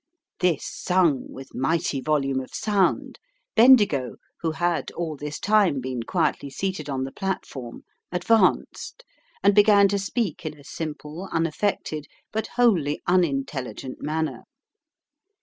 This sung with mighty volume of sound, Bendigo, who had all this time been quietly seated on the platform, advanced, and began to speak in a simple, unaffected, but wholly unintelligent manner.